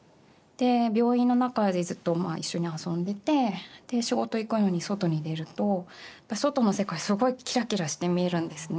病院の中でずっと一緒に遊んでて仕事行くのに外に出ると外の世界すごいキラキラして見えるんですね。